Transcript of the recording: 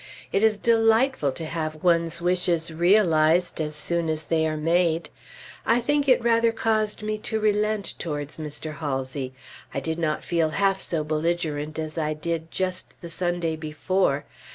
It is delightful to have one's wishes realized as soon as they are made. I think it rather caused me to relent towards Mr. Halsey; I did not feel half so belligerent as I did just the Sunday before.